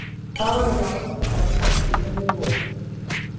هغه له لاهور څخه کابل ته تښتېتدلی وو.